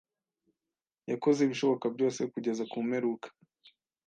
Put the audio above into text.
Yakoze ibishoboka byose kugeza kumperuka.